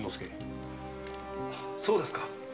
そうですか。